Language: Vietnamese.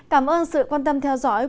cảm ơn sự quan tâm theo dõi